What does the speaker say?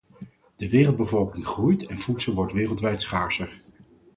De wereldbevolking groeit en voedsel wordt wereldwijd schaarser.